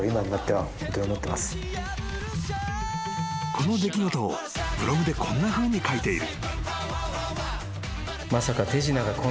［この出来事をブログでこんなふうに書いている］